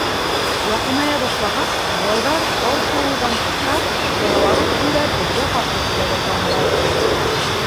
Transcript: Яҡыная башлағас, малайҙар тау шыуыуҙан туҡтап, саналарын һөйрәп беҙгә ҡаршы килә башланылар.